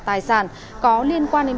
tài sản có liên quan đến